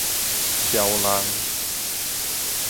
挑俍